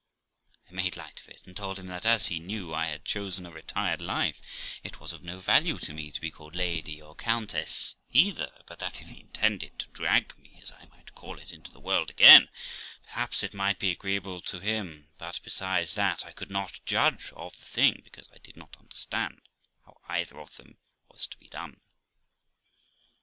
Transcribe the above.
I made light of it, and told him that, as he knew I had chosen a retired life, it was of no value to me to be called lady or countess either; but 336 THE LIFE OF ROXANA that if he intended to drag me, as I might call it, into the world again, perhaps it might be agreeable to him ; but, besides that, I could not judge of the thing, because I did not understand how either of them was to be done.